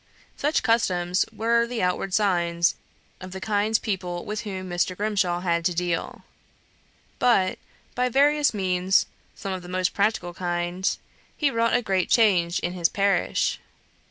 Such customs were the outward signs of the kind of people with whom Mr. Grimshaw had to deal. But, by various means, some of the most practical kind, he wrought a great change in his parish.